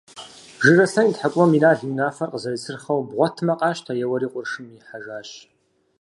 Жыраслъэн и тхьэкӀумэм Инал и унафэр къызэрицырхъэу – бгъуэтмэ къащтэ – еуэри къуршым ихьэжащ.